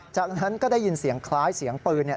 จากนั้นก็ได้ยินเสียงคล้ายเสียงปืนเนี่ย